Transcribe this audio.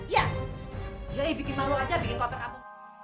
ya ya bikin malu aja bikin koper abu